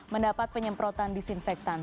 mendapat penyemprotan disinfektan